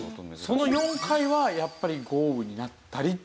その４回はやっぱり豪雨になったりっていう？